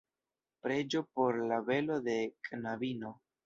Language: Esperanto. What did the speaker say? Preĝo por la belo de knabino.